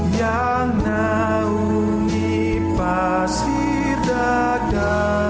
yang naungi pasir daga